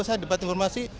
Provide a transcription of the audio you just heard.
saya di depan informasi